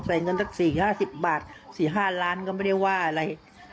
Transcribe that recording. เงินสัก๔๕๐บาท๔๕ล้านก็ไม่ได้ว่าอะไร